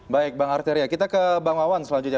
baik bang arteria kita ke bang wawan selanjutnya